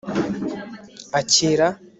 akira